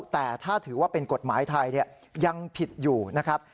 แต่ถ้าถือว่าเป็นกฎหมายไทยยังผิดอยู่นะครับ